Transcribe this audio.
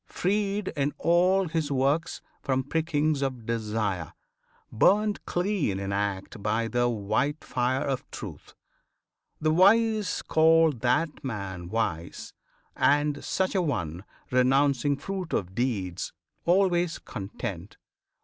Freed In all his works from prickings of desire, Burned clean in act by the white fire of truth, The wise call that man wise; and such an one, Renouncing fruit of deeds, always content.